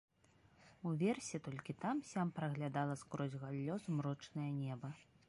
Уверсе толькі там-сям праглядала скрозь галлё змрочнае неба.